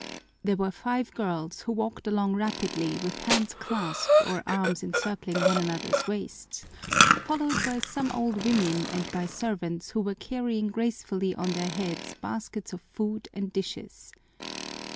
There were five girls, who walked along rapidly with hands clasped or arms encircling one another's waists, followed by some old women and by servants who were carrying gracefully on their heads baskets of food and dishes.